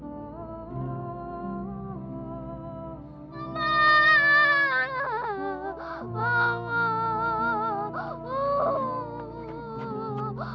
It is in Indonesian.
ini kalau dibuka dibelak ada obengnya